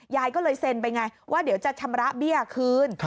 ยายก็เลยเซ็นไปไงว่าเดี๋ยวจะชำระเบี้ยคืน